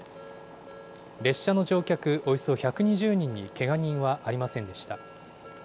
列車の乗客およそ１２０人にけが人はありませんでした。